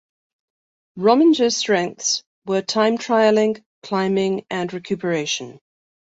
Rominger's strengths were time-trialling, climbing and recuperation.